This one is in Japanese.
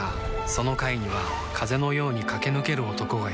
その階には風のように駆け抜ける男がいた